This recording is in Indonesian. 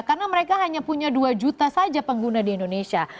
karena mereka hanya punya dua juta saja pengguna di indonesia